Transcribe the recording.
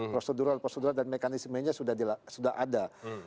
prosedural prosedural dan mekanisme nya sudah ada